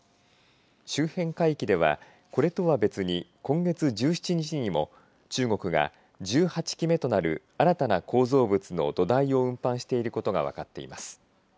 周辺海域では、これとは別に今月１７日にも中国が１８基目となる新たな構造物の土台を運搬していることが分かっています。